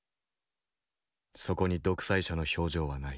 そこに独裁者の表情はない。